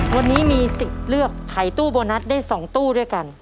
วันนี้มีสิทธิ์เลือกขายตู้โบนัสได้๒ตู้ด้วยกัน